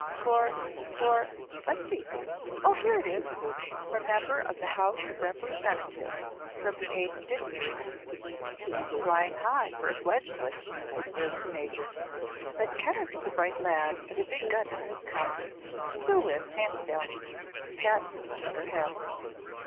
"For for let's see. Oh, here it is. For member of the House of Representatives from the Eighth District." "He's flying high, for a fledgling," observed the Major. "But Kenneth's a bright lad and a big gun in his county. He'll win, hands down." Patsy shook her head.